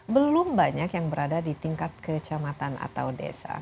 belum banyak yang berada di tingkat kecamatan atau desa